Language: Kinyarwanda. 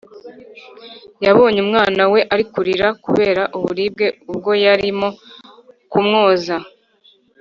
yabonye umwana we ari kurira kubera uburibwe ubwo yarimo kumwoza